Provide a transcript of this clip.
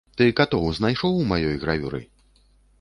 Ты катоў знайшоў у маёй гравюры?